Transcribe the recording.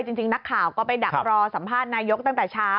จริงนักข่าวก็ไปดักรอสัมภาษณ์นายกตั้งแต่เช้า